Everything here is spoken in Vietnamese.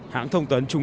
hãng thông tấn trung ương